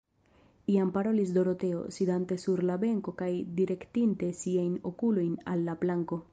Iam parolis Doroteo, sidante sur la benko kaj direktinte siajn okulojn al la planko.